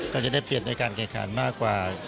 ก็จะได้เปลี่ยนในการแข่งขันมากกว่า